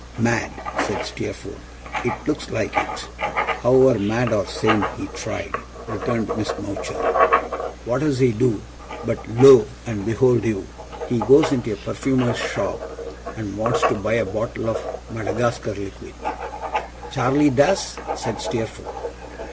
'Mad!' said Steerforth. 'It looks like it. However, mad or sane, he tried,' returned Miss Mowcher. 'What does he do, but, lo and behold you, he goes into a perfumer's shop, and wants to buy a bottle of the Madagascar Liquid.' 'Charley does?' said Steerforth.